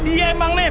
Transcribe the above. dia emang nih